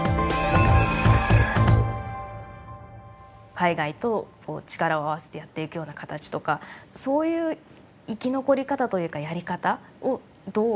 海外と力を合わせてやっていくような形とかそういう生き残り方というかやり方をどうご覧になりましたか？